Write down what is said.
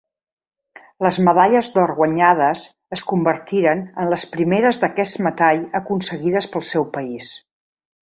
Les medalles d'or guanyades es convertiren en les primeres d'aquest metall aconseguides pel seu país.